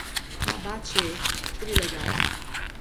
Mas bah tchê, trilegal